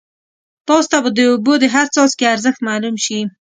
تاسو ته به د اوبو د هر څاڅکي ارزښت معلوم شي.